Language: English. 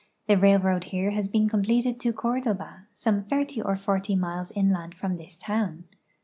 The railroad here has been completed to Cordoba, some thirty or forty miles inland from this town.